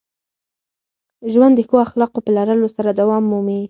ژوند د ښو اخلاقو په لرلو سره دوام مومي.